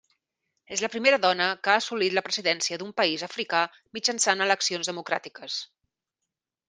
És la primera dona que ha assolit la presidència d'un país africà mitjançant eleccions democràtiques.